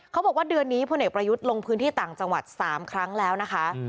บอกว่าเดือนนี้พลเอกประยุทธ์ลงพื้นที่ต่างจังหวัด๓ครั้งแล้วนะคะ